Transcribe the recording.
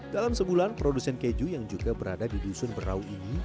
dalam sebulan produsen keju yang juga berada di dusun berau ini